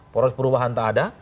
poros perubahan tak ada